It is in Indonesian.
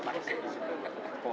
dari sini pak